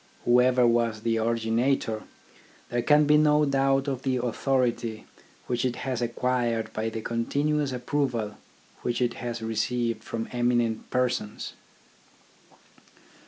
Whoever was the originator, there can be no doubt of the authority which it has acquired by the continuous approval which it has received from eminent persons.